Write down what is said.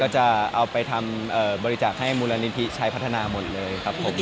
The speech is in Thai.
จะเอาไปบริจากภัคดสถานที่พี่ชัยพัฒนาหมดเลย